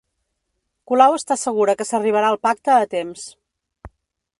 Colau està segura que s'arribarà al pacte a temps